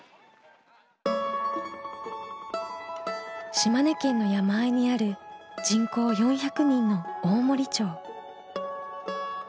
島根県の山あいにある人口４００人の大森町。